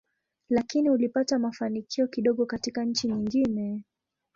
Lakini ulipata mafanikio kidogo katika nchi nyingine.